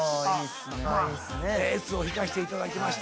「Ｓ」を引かせていただきました。